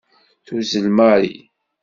Tuzzel Mary.